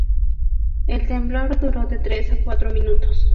El temblor duró de tres a cuatro minutos.